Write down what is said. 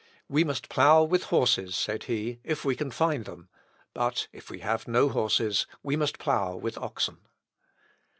"We must plough with horses," said he, "if we can find them; but if we have no horses, we must plough with oxen."